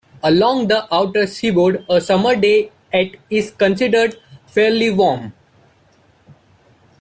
Along the outer seaboard, a summer day at is considered fairly warm.